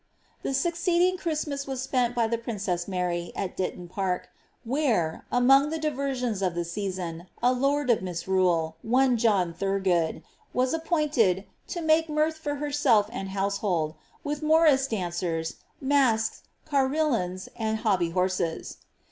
The succeeding Christmas was spent by the princess Mary, at Ditton Park, where, among the diversions of the season, a lord of mi^inile, one John Tliurgood, was appointed to ^^ make mirth for herself and household, with morrice dancers, masks, carillons, and hobby horses."